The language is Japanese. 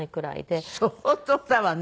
相当だわね。